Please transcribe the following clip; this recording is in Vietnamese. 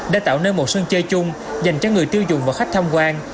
đã tạo nên một sân chơi chung dành cho người tiêu dùng và khách tham quan